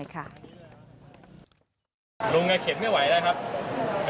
ลุงแกเข็นไม่ไหวแล้วครับ